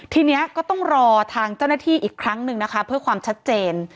ทีนี้ก็ต้องรอทางเจ้าหน้าที่อีกครั้งหนึ่งนะคะเพื่อความชัดเจน